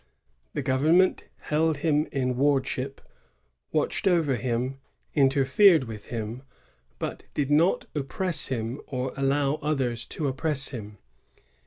The government held him in wardship, watched over him, interfered with him, hut did not oppress him or allow others to oppress him.